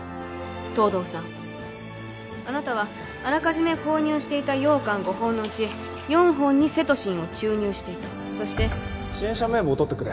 藤堂さんあなたはあらかじめ購入していた羊羹５本のうち４本にセトシンを注入していたそして支援者名簿を取ってくれ